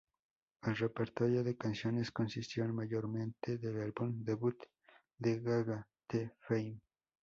El repertorio de canciones consistió mayormente del álbum debut de Gaga, "The Fame".